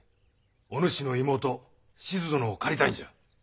お主の妹志津殿を借りたいんじゃ。